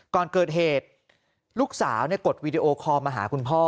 ก่อนเกิดเหตุลูกสาวกดวีดีโอคอลมาหาคุณพ่อ